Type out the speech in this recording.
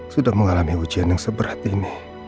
sudah mengalami ujian yang seberat ini